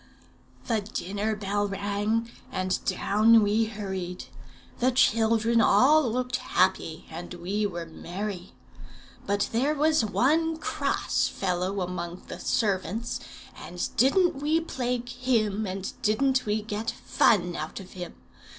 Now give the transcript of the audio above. "The dinner bell rang, and down we hurried. The children all looked happy, and we were merry. But there was one cross fellow among the servants, and didn't we plague him! and didn't we get fun out of him!